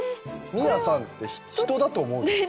「みやさん」って人だと思うよね。